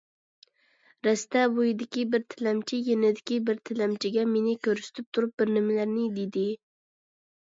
رەستە بويىدىكى بىر تىلەمچى يېنىدىكى بىر تىلەمچىگە مېنى كۆرسىتىپ تۇرۇپ بىرنېمىلەرنى دېدى.